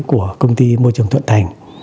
của công ty môi trường thuận thành